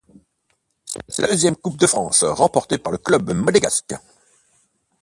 C'est la deuxième Coupe de France remportée par le club monégasque.